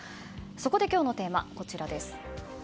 そこで今日のテーマはこちらです。